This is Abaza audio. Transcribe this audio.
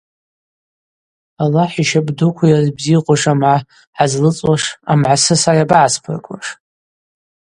Аллахӏ йщапӏдуква йрызбзихуш амгӏа гӏазлыцӏуаш амгӏасы са йабагӏасбрыгуаш?